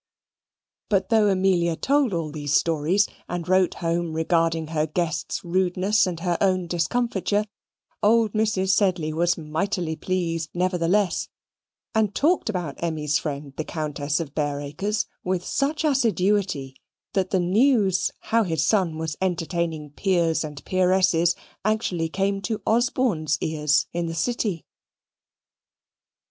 But though Amelia told all these stories, and wrote home regarding her guests' rudeness, and her own discomfiture, old Mrs. Sedley was mightily pleased nevertheless, and talked about Emmy's friend, the Countess of Bareacres, with such assiduity that the news how his son was entertaining peers and peeresses actually came to Osborne's ears in the City.